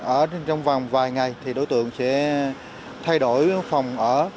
ở trong vòng vài ngày thì đối tượng sẽ thay đổi phòng ở